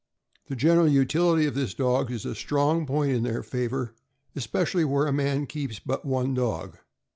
The general utility of these dogs is a strong point in their favor, especially where a man keeps but one dog.